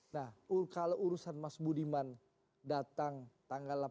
nah kalau urusan mas budiman datang tanggal delapan belas